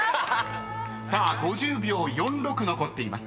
［さあ５０秒４６残っています］